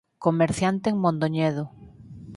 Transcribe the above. Comerciante en Mondoñedo.